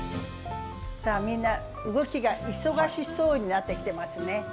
さあみんな動きが忙しそうになってきてますね。